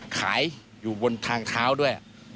อยู่บนทางเท้าด้วย